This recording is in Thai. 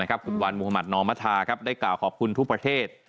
คุณวันมหมาตนอมภาษาครับได้กล่าวขอบคุณทุกประเทศ